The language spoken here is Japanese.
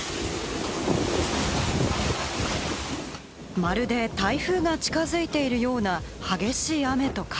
まるで台風が近づいているような激しい雨と風。